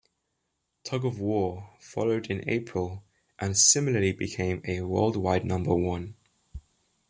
"Tug of War" followed in April, and similarly became a worldwide number one.